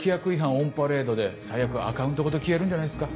オンパレードで最悪アカウントごと消えるんじゃないっすか？